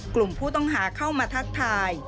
กลุ่มผู้ต้องหาเข้ามาทักทาย